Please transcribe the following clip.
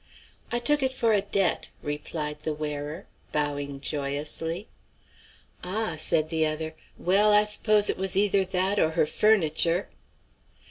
"I took it for a debt," replied the wearer, bowing joyously. "Ah!" said the other. "Well, I s'pose it was either that or her furniture?"